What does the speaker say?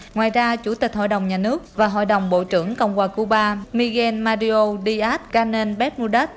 ngoài ra chủ tịch hội đồng nhà nước và hội đồng bộ trưởng cộng hòa cuba miguel mario díaz canel béb mundet